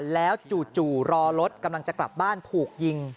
แล้วจู่รอรถกำลังจะกลับบ้านถูกยิง